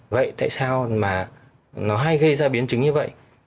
vậy tại sao mà nó hay gây ra biến chứng như vậy